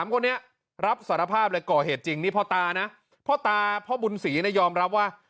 ๓คนเนี้ยรับสารภาพฤกษ์เหตุจริงพ่อตาพ่อบุญศรียอมรับว่า